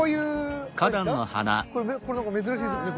これなんか珍しいですもんね？